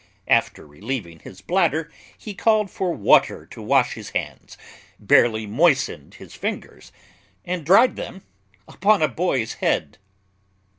After relieving his bladder, he called for water to wash his hands, barely moistened his fingers, and dried them upon a boy's head.